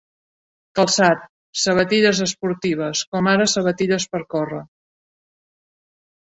Calçat: sabatilles esportives, com ara sabatilles per córrer.